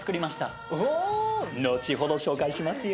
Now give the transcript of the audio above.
後ほど紹介しますよ。